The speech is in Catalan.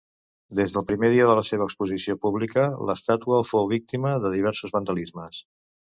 Des del primer dia de la seva exposició pública, l'estàtua fou víctima de diversos vandalismes.